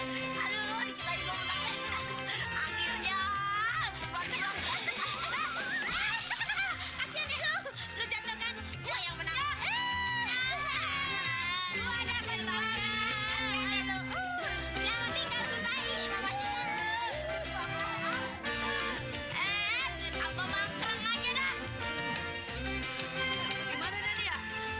sampai jumpa di video selanjutnya